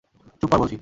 চুপ কর বলছি।